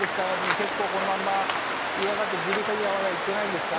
結構このまんま嫌がって耳鼻科にはまだ行ってないんですか？